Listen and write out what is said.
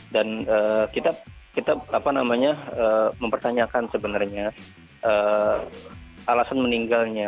dan kita mempertanyakan sebenarnya alasan meninggalnya